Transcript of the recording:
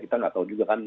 kita nggak tahu juga kan